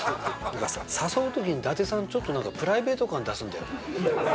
なんかさ誘う時に伊達さんちょっとなんかプライベート感出すんだよね。